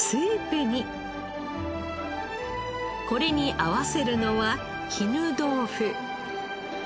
これに合わせるのは絹豆腐。